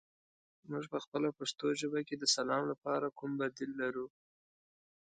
موږ پخپله پښتو ژبه کې د سلام لپاره کوم بدیل لرو؟